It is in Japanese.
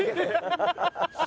ハハハハ！